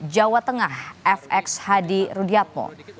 jawa tengah fx hadi rudiatmo